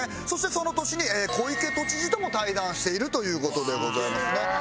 そしてその年に小池都知事とも対談しているという事でございますね。